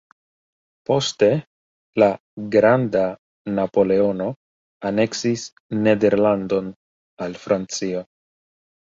Poste la "granda" Napoleono aneksis Nederlandon al Francio.